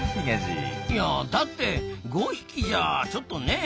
いやだって５匹じゃちょっとねえ。